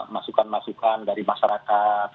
masukan masukan dari masyarakat